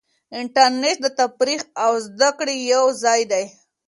انټرنیټ د تفریح او زده کړې یو ځای دی.